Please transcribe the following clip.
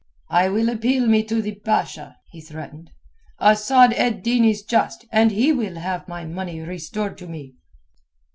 "I will appeal me to the Basha," he threatened. "Asad ed Din is just, and he will have my money restored to me."